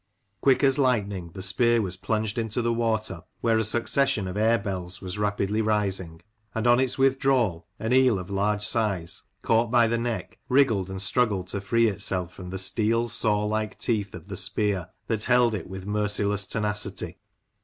Quick as lightning the spear was plunged into the water where a succession of air bells was rapidly rising, and on its withdrawal, an eel of large size, caught by the neck, wriggled and struggled to free itself from the steel saw like teeth of the spear, that held it with merciless tenacity.